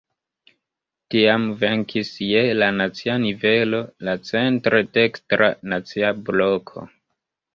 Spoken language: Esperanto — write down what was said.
Tiam venkis je la nacia nivelo la centre dekstra "Nacia Bloko".